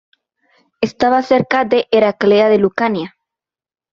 Estaba cerca de Heraclea de Lucania.